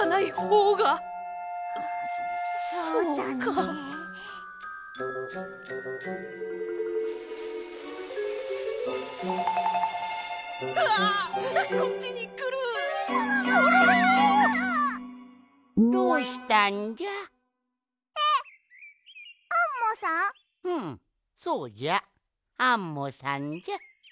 うんそうじゃアンモさんじゃ。